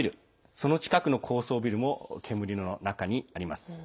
その近くの高層ビルも煙の中にあります。